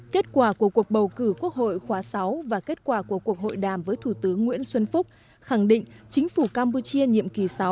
kết quả của cuộc bầu cử quốc hội khóa sáu và kết quả của cuộc hội đàm với thủ tướng nguyễn xuân phúc khẳng định chính phủ campuchia nhiệm kỳ sáu